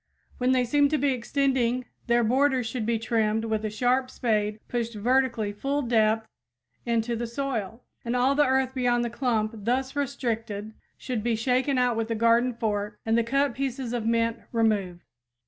When they seem to be extending, their borders should be trimmed with a sharp spade pushed vertically full depth into the soil and all the earth beyond the clump thus restricted should be shaken out with a garden fork and the cut pieces of mint removed.